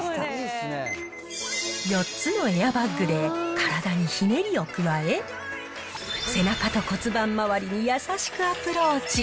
４つのエアバッグで体にひねりを加え、背中と骨盤回りに優しくアプローチ。